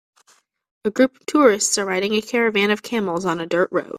A group of tourists are riding a caravan of camels on a dirt road.